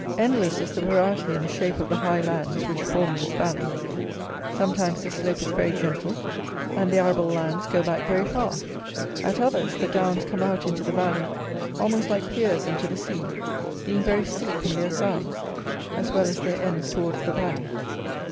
Endless is the variety in the shape of the high lands which form this valley. Sometimes the slope is very gentle, and the arable lands go back very far. At others, the downs come out into the valley almost like piers into the sea, being very steep in their sides, as well as their ends towards the valley.